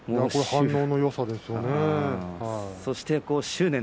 反応のよさでしょうね。